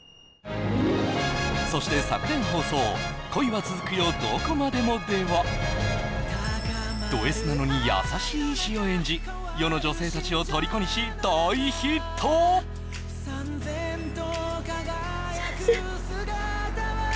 そして昨年放送「恋はつづくよどこまでも」ではドＳなのに優しい医師を演じ世の女性達をとりこにし大ヒット先生！？